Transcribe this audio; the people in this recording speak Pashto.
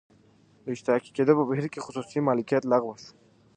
د اشتراکي کېدو په بهیر کې خصوصي مالکیت لغوه شو